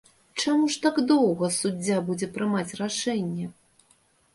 Чаму ж так доўга суддзя будзе прымаць рашэнне?